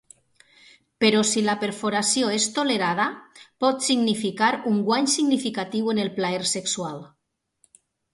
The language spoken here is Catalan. Però si la perforació és tolerada, pot significar un guany significatiu en el plaer sexual.